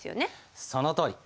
そのとおり。